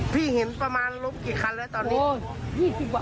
ปี่เห็นประมาณลบกี่คันแล้ว